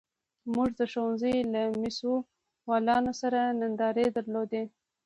موږ د ښوونځي له مسوولانو سره ناندرۍ درلودې.